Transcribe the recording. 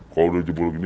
kalo udah jebol gini